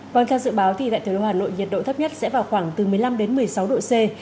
còn theo dự báo tại thủ đô hà nội nhiệt độ thấp nhất sẽ vào khoảng một mươi năm một mươi sáu độ c